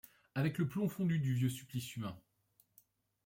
Avec le plomb fondu du vieux supplice humain ;